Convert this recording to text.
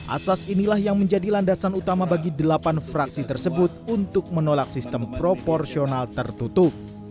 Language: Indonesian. asas inilah yang menjadi landasan utama bagi delapan fraksi tersebut untuk menolak sistem proporsional tertutup